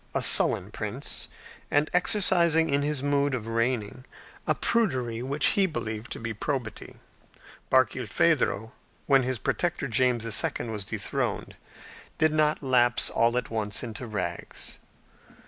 a sullen prince, and exercising in his mode of reigning a prudery which he believed to be probity. Barkilphedro, when his protector, James II., was dethroned, did not lapse all at once into rags.